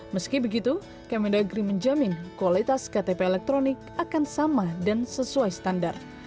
meski begitu kemendagri menjamin kualitas ktp elektronik akan sama dan sesuai standar